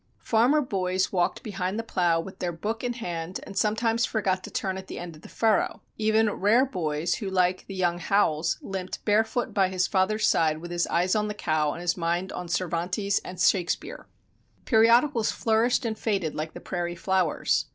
Farmer boys walked behind the plow with their book in hand and sometimes forgot to turn at the end of the furrow; even rare boys, who, like the young Howells, "limped barefoot by his father's side with his eyes on the cow and his mind on Cervantes and Shakespeare." Periodicals flourished and faded like the prairie flowers.